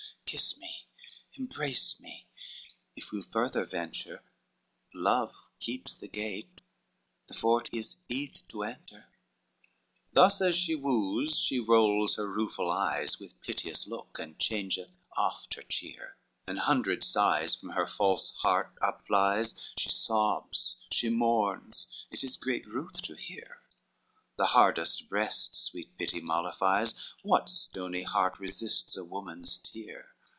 Kiss me, embrace me, if you further venture, Love keeps the gate, the fort is eath to enter." XXXIII Thus as she woos she rolls her rueful eyes With piteous look, and changeth oft her cheer, An hundred sighs from her false heart upflies, She sobs, she mourns, it is great ruth to hear; The hardest breast sweet pity mollifies, What stony heart resists a woman's tear?